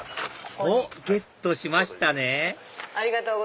おっゲットしましたね